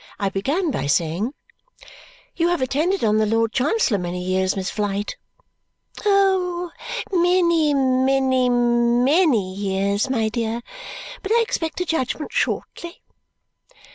I began by saying "You have attended on the Lord Chancellor many years, Miss Flite?" "Oh, many, many, many years, my dear. But I expect a judgment. Shortly."